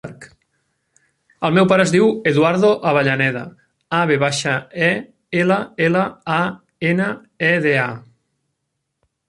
El meu pare es diu Eduardo Avellaneda: a, ve baixa, e, ela, ela, a, ena, e, de, a.